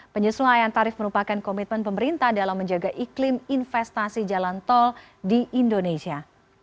penyesuaian tarif merupakan komitmen pemerintah dalam menjaga iklim investasi jalan tol di indonesia